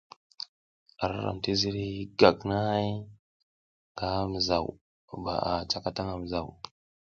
Ara ram ti ziriy gagnahay nga mizaw ba a cakatang a mizaw.